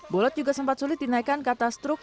bolot juga sempat sulit dinaikkan kata struk